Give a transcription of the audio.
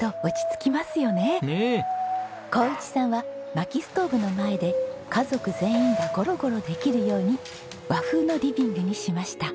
紘一さんは薪ストーブの前で家族全員がゴロゴロできるように和風のリビングにしました。